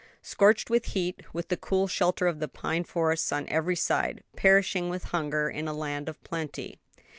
scorched with heat, with the cool shelter of the pine forests on every side; perishing with hunger in a land of plenty.